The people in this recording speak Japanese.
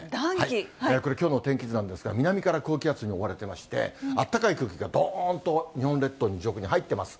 これ、きょうの天気図なんですが、南から高気圧に覆われてまして、あったかい空気がどーんと日本列島の上空に入ってます。